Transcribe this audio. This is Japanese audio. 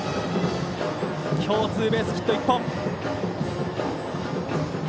今日、ツーベースヒット１本。